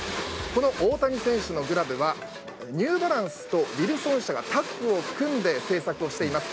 大谷選手のグラブはニューバランスとウィルソン社がタッグを組んで製作をしています。